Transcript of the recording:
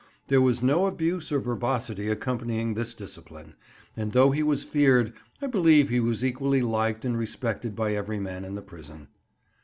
There was no abuse or verbosity accompanying this discipline, and though he was feared, I believe he was equally liked and respected by every man in the prison.